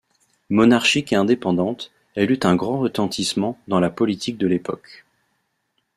Monarchique et indépendante, elle eut un grand retentissement dans la politique de l’époque.